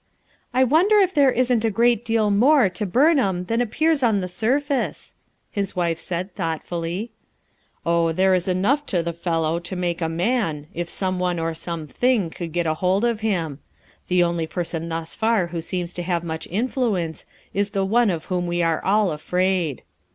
"I wonder if there isn't a great deal more to Burnham than appears on the surface?" his wife said thoughtfully. "Oh, there is enough to the fellow to make a man, if some one or some thing could get hold of him. The only person thus far who seems to have much influence is the one of whom we are all afraid."